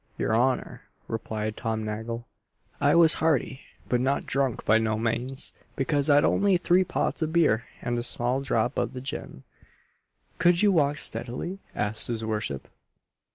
"Yer honour," replied Tom Nagle, "I was hearty but not drunk by no manes bekase I'd only three pots of the beer, and a small drop of the gin." "Could you walk steadily?" asked his worship.